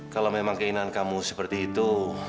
kalau memang keinginan kamu seperti itu